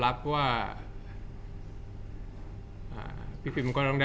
จากความไม่เข้าจันทร์ของผู้ใหญ่ของพ่อกับแม่